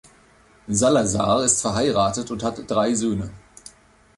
Salazar ist verheiratet und hat drei Söhne.